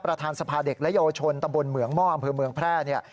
ประธานสภาเด็กและเยาวชนตำบลเหมืองหม้ออำเภอเมืองแพร่เนี่ย